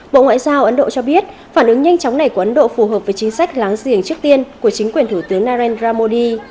bộ ngoại giao ấn độ cho biết phản ứng nhanh chóng này của ấn độ phù hợp với chính sách láng giềng trước tiên của chính quyền thủ tướng narendra modi